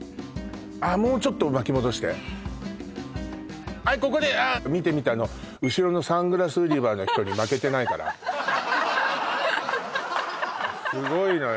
あっもうちょっと巻き戻してはいここで見て見てあの後ろのサングラス売り場の人にスゴいのよ